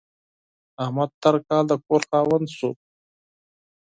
احمد تېر کال د کور خاوند شو.